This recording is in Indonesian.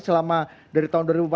selama dari tahun dua ribu empat belas